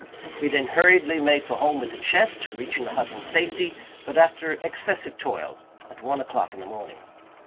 We then hurriedly made for home with the chest; reaching the hut in safety, but after excessive toil, at one o'clock in the morning.